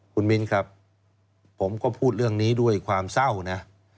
คุณมิ้นครับผมก็พูดเรื่องนี้ด้วยความเศร้านะ